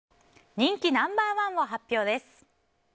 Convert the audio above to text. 人気ナンバー１を発表です。